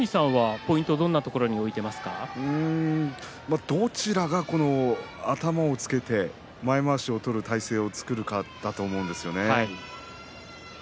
舞の海さんどちらが頭をつけて前まわしを取る体勢を作るかだと思います。